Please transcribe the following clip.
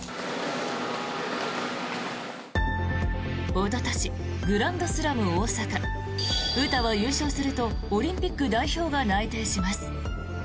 おととし、グランドスラム・大阪詩は優勝するとオリンピック代表が内定します。